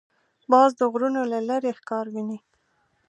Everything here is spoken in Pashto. باز د غرونو له لیرې ښکار ویني